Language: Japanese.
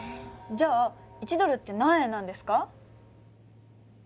じゃあ１ドルって何円なんですか？